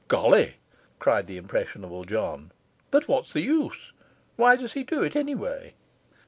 'Golly!' cried the impressionable John. 'But what's the use? Why does he do it, anyway?